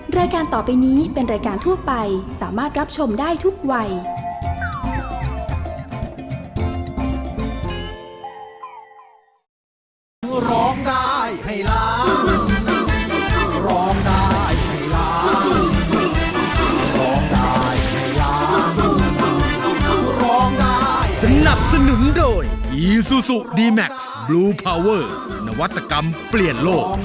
รายการต่อไปนี้เป็นรายการทั่วไปสามารถรับชมได้ทุกวัย